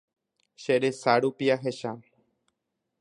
Che resa rupi ahecha.